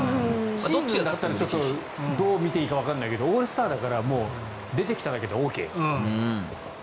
チームだったらどう見ていいかわからないけどオールスターだから出てきただけでＯＫみたいな。